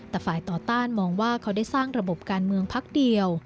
แต่ฝ่ายต่อต้านมองว่าเขาได้สร้างระบบการเมืองพักเดียว